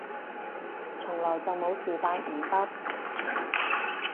從來就冇自帶五筆